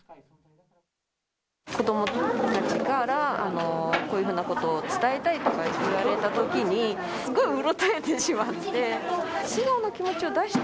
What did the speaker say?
子どもたちからこういうふうなことを伝えたいとか言われたときにすごくうろたえてしまって。